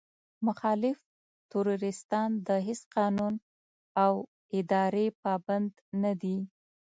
مخالف تروريستان د هېڅ قانون او ادارې پابند نه دي.